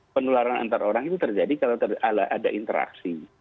penularan antar orang itu terjadi kalau ada interaksi